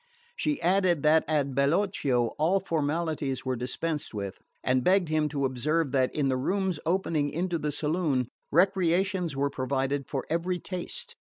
She added that at Bellocchio all formalities were dispensed with, and begged him to observe that, in the rooms opening into the saloon, recreations were provided for every taste.